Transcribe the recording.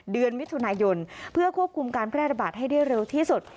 เดือนมิถุนายนเพื่อควบคุมการแพร่ระบาดให้ได้เร็วที่สุด